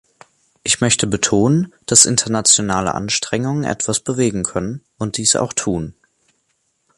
Ich möchte betonen, dass internationale Anstrengungen etwas bewegen können und dies auch tun.